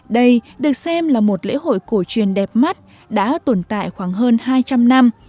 đây được xem là một lễ hội cổ truyền đẹp mắt đã tồn tại khoảng hơn hai trăm linh năm